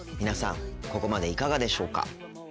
皆さんここまでいかがでしょうか？